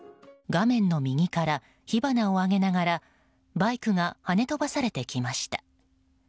画面の右から火花を上げながらバイクがはね飛ばされてきました。